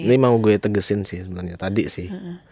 ini mau gue tegesin sih sebenarnya tadi sih